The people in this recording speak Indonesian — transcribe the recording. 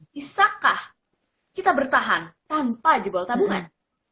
bisakah kita bertahan tanpa jebol tabungan